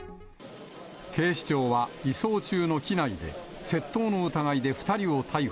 警視庁は移送中の機内で、窃盗の疑いで２人を逮捕。